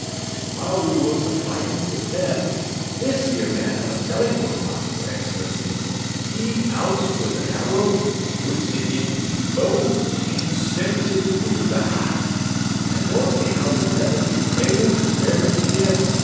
And while we was a fighting with them, this here man I'm a telling you about, your Excellency, he outs with an arrow, puts it into his bow, and sends it through the hat, and I don't see how you'll ever be able to wear it again.